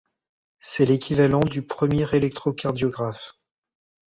C'est l'équivalent du premier électrocardiographe.